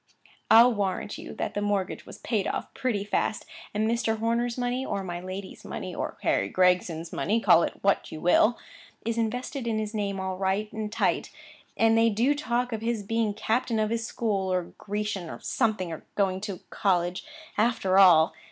I'll warrant you that the mortgage was paid off pretty fast; and Mr. Horner's money—or my lady's money, or Harry Gregson's money, call it which you will—is invested in his name, all right and tight; and they do talk of his being captain of his school, or Grecian, or something, and going to college, after all!